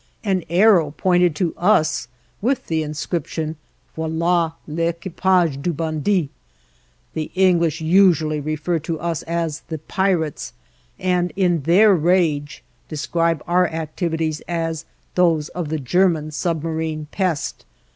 An arrow pointed to us with the inscription, "Voila l'équipage de bandits." The English usually refer to us as "the pirates," and in their rage describe our activities as those of the "German submarine pest."